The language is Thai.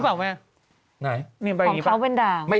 ใบนี้หรือเปล่าแม่